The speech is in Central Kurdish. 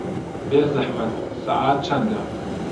بێزەحمەت سەعات چەندە؟